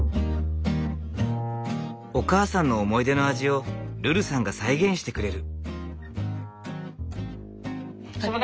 お母さんの思い出の味をルルさんが再現してくれる。